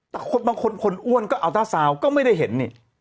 แต่บางคนคนอ้วนก็อัลต้าซาวน์ก็ไม่ได้เห็นนี่